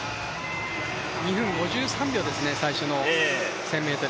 ２分５３秒ですね、最初の１０００ｍ。